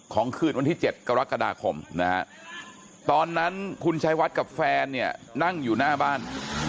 คืนวันที่๗กรกฎาคมนะฮะตอนนั้นคุณชายวัดกับแฟนเนี่ยนั่งอยู่หน้าบ้าน